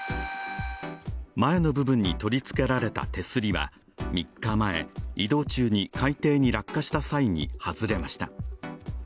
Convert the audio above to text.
前の部分に取り付けられた手すりは３日前、移動中に海底に落下した際に外れました。